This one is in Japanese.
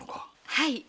はい。